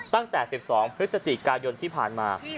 ตั้งแต่๑๒พฤศจิกายนที่ผ่านมา